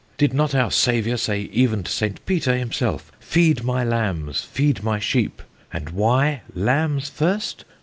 Did not our Saviour say even to Saint Peter himself, 'Feed my Lambs, feed my Sheep'? And why Lambs first?